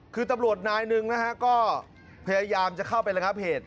คือตำรวจนายหนึ่งนะฮะก็พยายามจะเข้าไประงับเหตุ